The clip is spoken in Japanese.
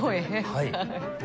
はい。